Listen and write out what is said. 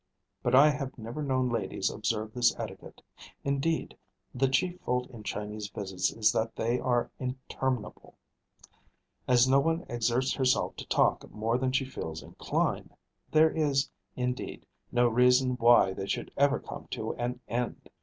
But I have never known ladies observe this etiquette. Indeed, the chief fault in Chinese visits is that they are interminable. As no one exerts herself to talk more than she feels inclined, there is, indeed, no reason why they should ever come to an end.